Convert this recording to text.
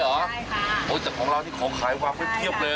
ใช่ค่ะโอ้ยแต่ของเรานี่ของขายวางไม่เทียบเลยนะเนี่ย